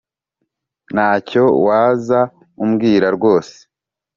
Ntacyo waza umbwira rwose